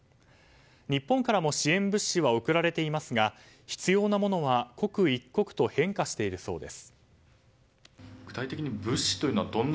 日本からも支援物資は送られていますが必要なものは刻一刻と変化しているそうです。